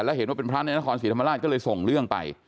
แล้วเห็นว่าเป็นพระในนครศรีธรรมราชก็เลยส่งเรื่องไป